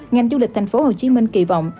ngành du lịch tp hcm kỳ vọng